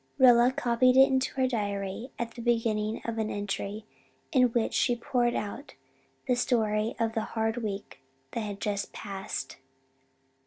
Rilla copied it in her diary at the beginning of an entry in which she poured out the story of the hard week that had just passed.